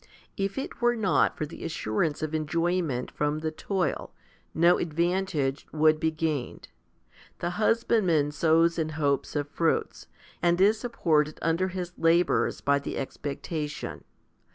If it were not for the assurance of enjoyment. from the toil, no advantage would be gained. The husbandman sows in hope of fruits, and is supported under his labours by the expectation.